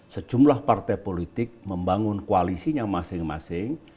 sejumlah partai politik membangun koalisinya masing masing